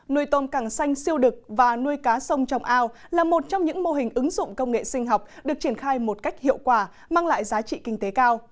nuôi tôm càng xanh siêu đực và nuôi cá sông trong ao là một trong những mô hình ứng dụng công nghệ sinh học được triển khai một cách hiệu quả mang lại giá trị kinh tế cao